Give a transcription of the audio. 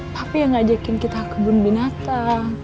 papi yang ngajakin kita kebun binata